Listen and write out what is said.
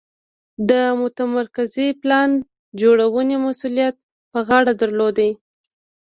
د متمرکزې پلان جوړونې مسوولیت پر غاړه درلود.